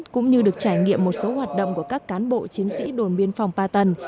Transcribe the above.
cũng như được trải nghiệm một số hoạt động của các cán bộ chiến sĩ đồn biên phòng ba tầng